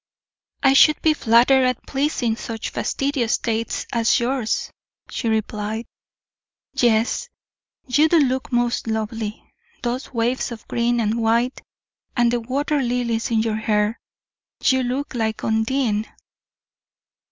"I should be flattered at pleasing such fastidious taste as yours," she replied. "Yes, you do look most lovely; those waves of green and white, and the water lilies in your hair you look like Undine!"